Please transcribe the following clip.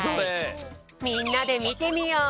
みんなでみてみよう！